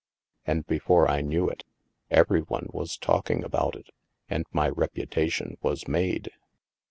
— And before I knew it, every one was talking about it, and my rep utation was made."